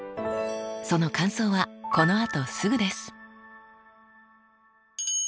その感想はこのあとすぐです。